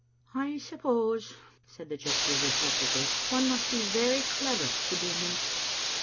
"I suppose," said the gypsy, reflectively, "one must be very clever to be a minister."